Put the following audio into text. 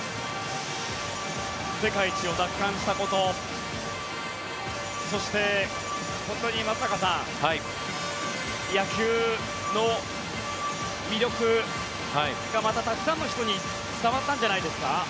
世界一を奪還したことそして、本当に松坂さん野球の魅力がまたたくさんの人に伝わったんじゃないですか。